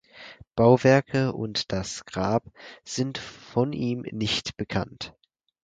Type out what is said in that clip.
Bauwerke und das Grab sind von ihm nicht bekannt.